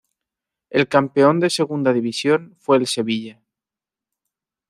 El campeón de Segunda División fue el Sevilla.